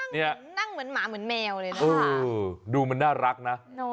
นี่นั่งเหมือนหมาเหมือนแมวเลยนะดูมันน่ารักนะ